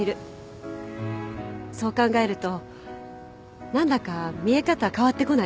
そう考えると何だか見え方変わってこない？